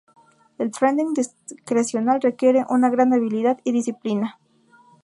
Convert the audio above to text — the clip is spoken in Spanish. El trading discrecional requiere una gran habilidad y disciplina.